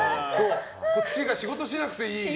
こっちが仕事しなくていい。